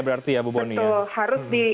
berarti ya bu boni